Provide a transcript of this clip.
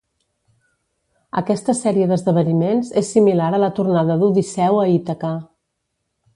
Aquesta sèrie d'esdeveniments és similar a la tornada d'Odisseu a Ítaca.